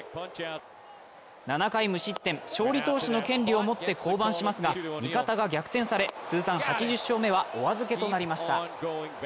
７回無失点、勝利投手の権利を持って降板しますが、味方が逆転され、通算８０勝目はお預けとなりました。